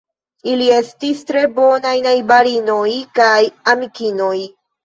Ili estis tre bonaj najbarinoj kaj amikinoj.